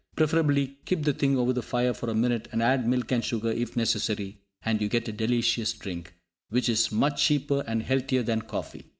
Preferably keep the thing over the fire for a minute, and add milk and sugar, if necessary, and you get a delicious drink, which is much cheaper and healthier than coffee.